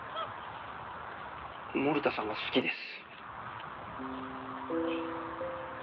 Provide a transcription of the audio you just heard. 森田さんが好きです。